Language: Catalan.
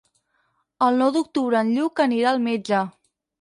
El nou d'octubre en Lluc anirà al metge.